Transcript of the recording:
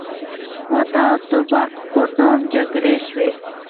موته او تبوک په نامه جګړې شوي.